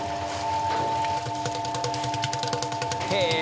へえ！